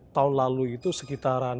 tahun lalu itu sekitaran